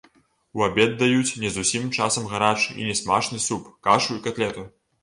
У абед даюць не зусім часам гарачы і нясмачны суп, кашу і катлету.